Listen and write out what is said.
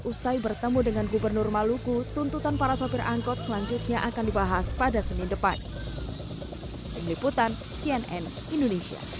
usai bertemu dengan gubernur maluku tuntutan para sopir angkot selanjutnya akan dibahas pada senin depan